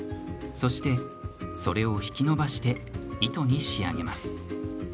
そして、それを引き伸ばして糸に仕上げます。